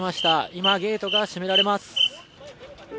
今、ゲートが閉められます。